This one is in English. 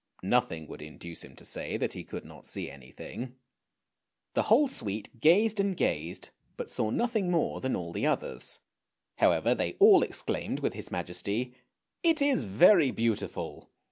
Nothing would induce him to say that he could not see anything. THE EMPEROR'S NEW CLOTHES 221 The whole suite gazed and gazed, but saw nothing more than all the others. However, they all exclaimed with his Majesty, " It is very beautiful!